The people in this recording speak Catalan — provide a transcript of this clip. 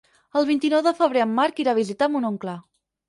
El vint-i-nou de febrer en Marc irà a visitar mon oncle.